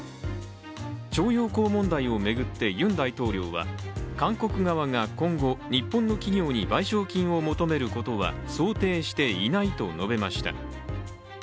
徴用工問題を巡ってユン大統領は韓国側が今後、日本の企業に賠償金を求めることは想定していないと述べました。